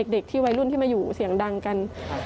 เด็กที่วัยรุ่นที่มาอยู่เสียงดังกัน